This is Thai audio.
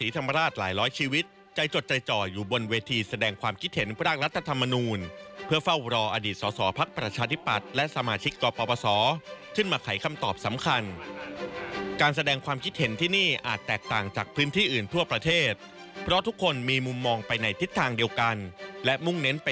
ติดตามเรื่องนี้จากรายงานครับ